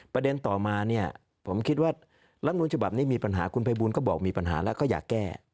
ประเด็นต่อมาผมคิดว่าลัดมูลฉบับนี้มีปัญหา